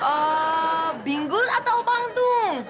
ah bingung atau bantung